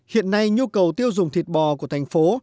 hiện nay nhu cầu tiêu dùng thịt bò của thành phố